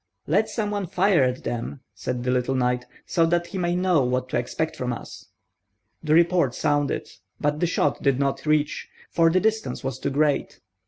"Let some one fire at him," said the little knight, "so that he may know what to expect from us." The report sounded; but the shot did not reach, for the distance was too great.